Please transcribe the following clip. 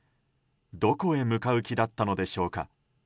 どこへ向かう気だったのでしょうか。